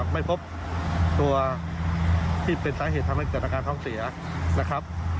ไม่พบตัวที่เป็นสาเหตุทำให้เกิดอาการท้องเสียนะครับ